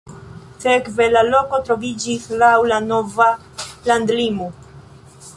Sekve la loko troviĝis laŭ la nova landlimo.